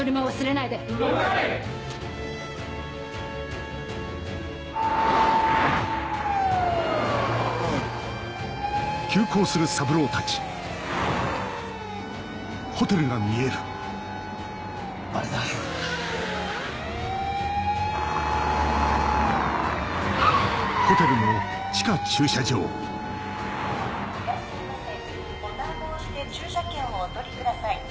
いらっしゃいませボタンを押して駐車券をお取りください。